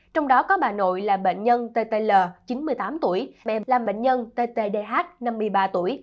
trong đó có bà nội là bệnh nhân ttl chín mươi tám tuổi mẹ lam bệnh nhân ttdh năm mươi ba tuổi